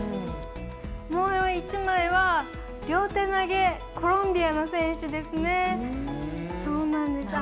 もう１枚は、両手投げコロンビアの選手ですね。